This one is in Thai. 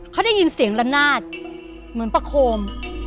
เขาได้ยินเสียงละนาดเหมือนประโคม